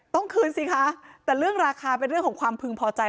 ต้องคืนสิคะแต่เรื่องราคาเป็นเรื่องของความพึงพอใจ